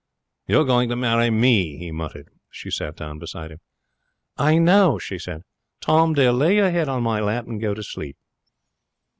'You're going to marry me,' he muttered. She sat down beside him. 'I know,' she said. 'Tom, dear, lay your head on my lap and go to sleep.'